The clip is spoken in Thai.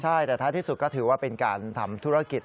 ใช่แต่ท้ายที่สุดก็ถือว่าเป็นการทำธุรกิจ